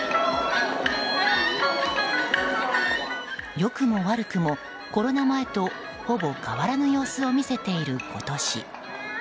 良くも悪くもコロナ前とほぼ変わらぬ様子を見せている今年。